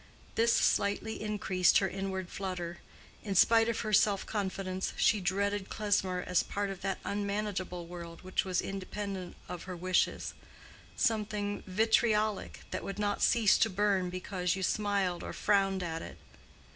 This slightly increased her inward flutter. In spite of her self confidence, she dreaded Klesmer as part of that unmanageable world which was independent of her wishes—something vitriolic that would not cease to burn because you smiled or frowned at it.